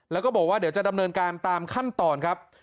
แล้วก็บอกว่าเดี๋ยวจะดำเนินการตามขั้นตอนครับ